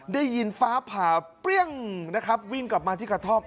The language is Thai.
ได้ยินฟ้าผ่าเปรี้ยงนะครับวิ่งกลับมาที่กระท่อม